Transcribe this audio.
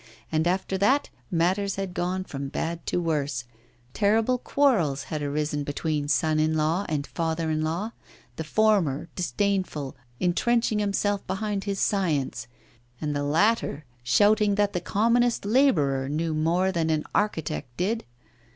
And after that matters had gone from bad to worse, terrible quarrels had arisen between the son in law and the father in law, the former disdainful, intrenching himself behind his science, and the latter shouting that the commonest labourer knew more than an architect did.